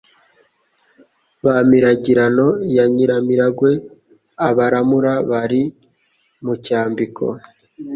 Ba Miragirano ya Nyiramiragwe, Abaramura bari mu cyambiko.